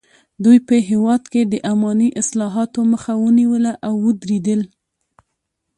دوی په هېواد کې د اماني اصلاحاتو مخه ونیوله او ودریدل.